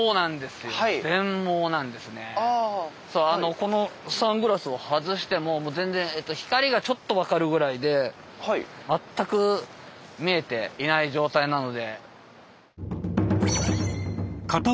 このサングラスを外してももう全然光がちょっと分かるぐらいで全く見えていない状態なので。